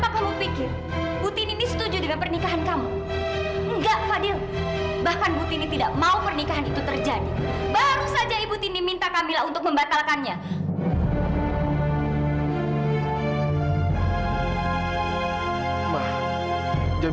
sampai jumpa di video selanjutnya